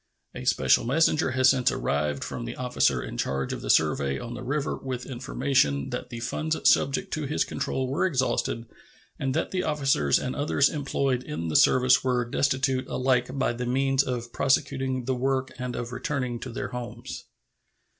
A special messenger has since arrived from the officer in charge of the survey on the river with information that the funds subject to his control were exhausted and that the officers and others employed in the service were destitute alike of the means of prosecuting the work and of returning to their homes.